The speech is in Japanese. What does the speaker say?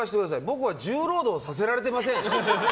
僕は重労働させられてません！